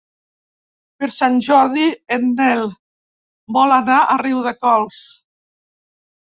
Per Sant Jordi en Nel vol anar a Riudecols.